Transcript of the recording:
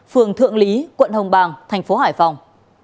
phường thượng lý quận hồng bàng thành phố hải phòng